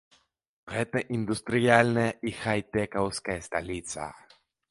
Гэта індустрыяльная і хайтэкаўская сталіца.